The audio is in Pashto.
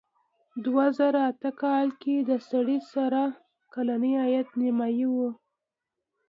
دوه زره اته کال کې د سړي سر کلنی عاید نیمايي و.